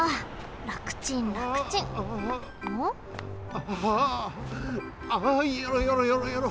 あああああよろよろよろよろ。